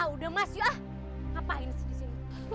udah mas yuk ah